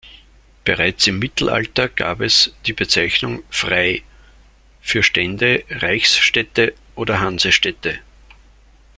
Bereits im Mittelalter gab es die Bezeichnung "frei" für Stände, Reichsstädte oder Hansestädte.